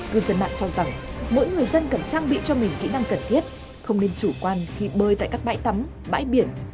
cư dân mạng cho rằng mỗi người dân cần trang bị cho mình kỹ năng cần thiết không nên chủ quan khi bơi tại các bãi tắm bãi biển